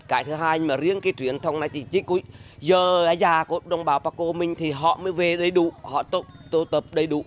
cái thứ hai mà riêng cái truyền thông này thì chỉ có giờ già của đồng bào paco mình thì họ mới về đầy đủ họ tổ tập đầy đủ